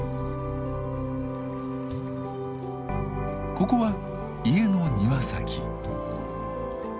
ここは家の庭先。